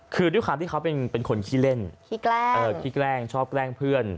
คือด้วยความที่เขาเป็นคนขี้เล่นขี้แกล้งขี้แกล้งชอบแกล้งเพื่อน